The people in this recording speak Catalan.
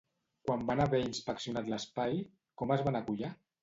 Quan van haver inspeccionat l'espai, com es van acollar?